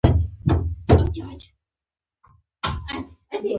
د صداقت او ازادیو تلقین دی.